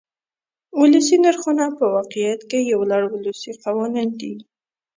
ولسي نرخونه په واقعیت کې یو لړ ولسي قوانین دي.